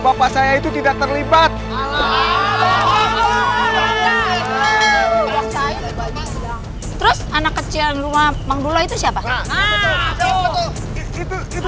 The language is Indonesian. selesai iya tuh gimana ada di sini